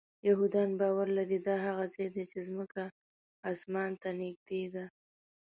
یهودان باور لري دا هغه ځای دی چې ځمکه آسمان ته نږدې ده.